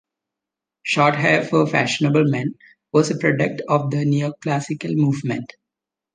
Short hair for fashionable men was a product of the Neoclassical movement.